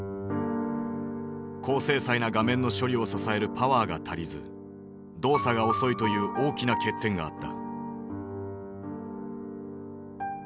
高精細な画面の処理を支えるパワーが足りず動作が遅いという大きな欠点があった。